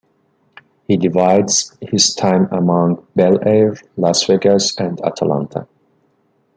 He divides his time among Bel Air, Las Vegas and Atlanta.